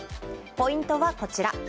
ポイントはこちら。